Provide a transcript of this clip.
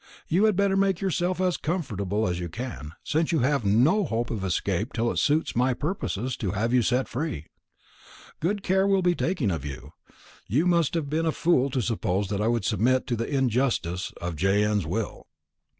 You had better make yourself as comfortable as you can, since you have no hope of escape till it suits my purpose to have you set free. Good care will be taken of you. You must have been a fool to suppose that I would submit to the injustice of J.N.'s will.'